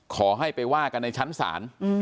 ขอให้ไปว่ากันในชั้นศาล